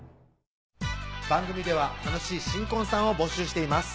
番組では楽しい新婚さんを募集しています